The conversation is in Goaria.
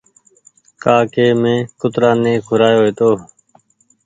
ڪآ ڪي مينٚ ڪترآ ني کورآيو هيتو